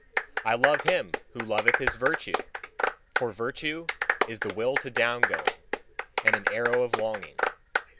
I love him who loveth his virtue: for virtue is the will to down going, and an arrow of longing.